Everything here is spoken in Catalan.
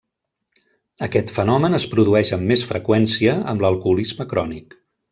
Aquest fenomen es produeix amb més freqüència amb l'alcoholisme crònic.